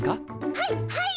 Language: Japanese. はいはい！